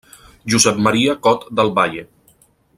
Josep Maria Cot del Valle.